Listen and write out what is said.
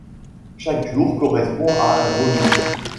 Chaque jour correspond à un volume.